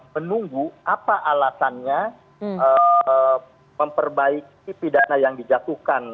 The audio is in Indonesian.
menunggu apa alasannya memperbaiki pidana yang dijatuhkan